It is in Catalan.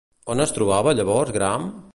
On es trobava llavors Graham?